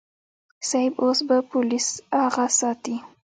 صيب اوس به پوليس اغه ساتي.